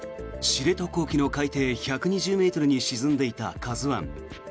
知床沖の海底１２０ｍに沈んでいた「ＫＡＺＵ１」。